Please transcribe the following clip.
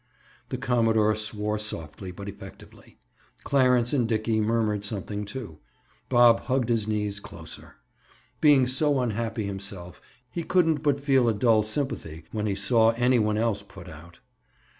The commodore swore softly but effectively. Clarence and Dickie murmured something, too. Bob hugged his knees closer. Being so unhappy himself, he couldn't but feel a dull sympathy when he saw any one else put out.